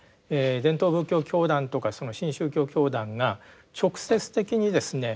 伝統仏教教団とか新宗教教団が直接的にですね